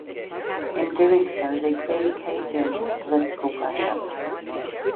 In doing so, they clearly caved in to the political pressure.